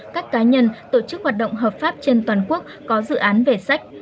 các cá nhân tổ chức hoạt động hợp pháp trên toàn quốc có dự án về sách